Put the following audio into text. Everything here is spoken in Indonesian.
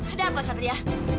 ada apa satria